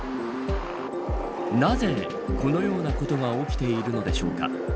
なぜこのようなことが起きているのでしょうか。